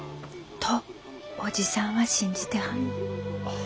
と叔父さんは信じてはんの。